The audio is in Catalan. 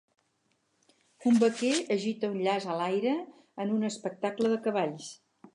Un vaquer agita un llaç a l'aire en un espectacle de cavalls.